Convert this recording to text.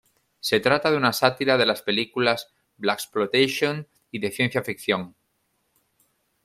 Se trata de una sátira de las películas de "Blaxploitation" y de ciencia ficción.